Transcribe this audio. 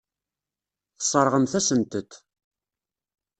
Tesseṛɣemt-asent-t.